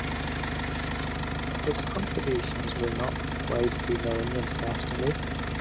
His contributions were not widely known internationally.